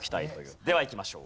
ではいきましょう。